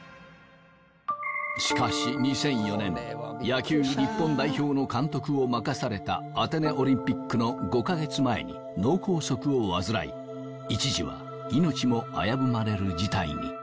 しかし２００４年野球日本代表の監督を任されたアテネオリンピックの５カ月前に脳梗塞を患い一時は命も危ぶまれる事態に。